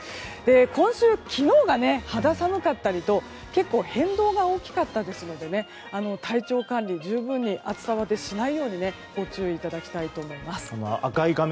今週、昨日が肌寒かったりと結構、変動が大きかったですので体調管理、十分に暑さバテしないようにご注意いただきたいと思います。